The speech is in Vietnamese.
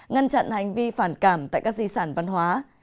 ngăn chặn hành vi phản cảm tại các di sản văn hóa